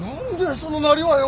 そのなりはよ！